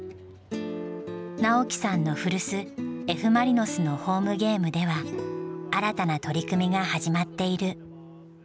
直樹さんの古巣Ｆ・マリノスのホームゲームでは新たな取り組みが始まっている。